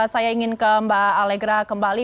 saya ingin ke mbak alegra kembali